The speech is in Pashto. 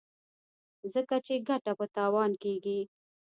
ځکه چې ګټه په تاوان کېږي.